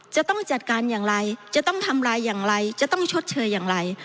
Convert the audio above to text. จะต้องจัดการอย่างไรจะต้องทำลายอย่างไรจะต้องชดเชยอย่างไร